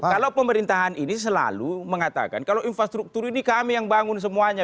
kalau pemerintahan ini selalu mengatakan kalau infrastruktur ini kami yang bangun semuanya